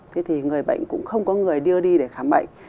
thế thì người bệnh cũng không có người đưa đi để khám bệnh